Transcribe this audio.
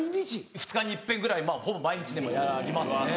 ２日に一遍ぐらいまぁほぼ毎日でもやりますね。